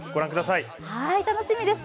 楽しみですよ。